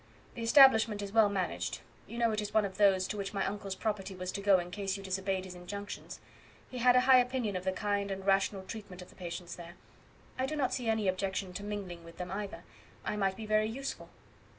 The establishment is well managed; you know it is one of those to which my uncle's property was to go in case you disobeyed his injunctions. He had a high opinion of the kind and rational treatment of the patients there. I do not see any objection to mingling with them either. I might be very useful."